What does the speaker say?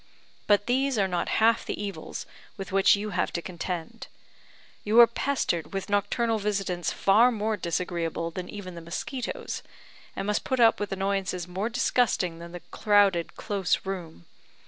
"But these are not half the evils with which you have to contend. You are pestered with nocturnal visitants far more disagreeable than even the mosquitoes, and must put up with annoyances more disgusting than the crowded, close room.